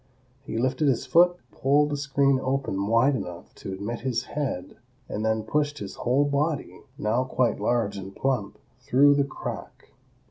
He lifted his foot, pulled the screen open wide enough to admit his head and then pushed his whole body, now quite large and plump, through the crack.